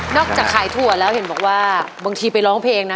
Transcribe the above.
จากขายถั่วแล้วเห็นบอกว่าบางทีไปร้องเพลงนะ